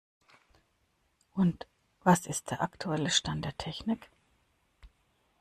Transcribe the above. Und was ist der aktuelle Stand der Technik.